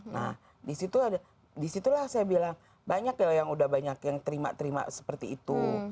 nah di situlah saya bilang banyak yang sudah banyak yang terima terima seperti itu